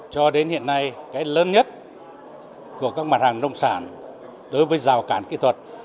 cho đến hiện nay cái lớn nhất của các mặt hàng nông sản đối với rào cản kỹ thuật